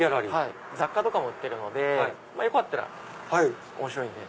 雑貨とかも売ってるのでよかったら面白いんで。